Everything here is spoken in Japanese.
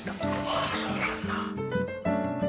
ああそうなんだ！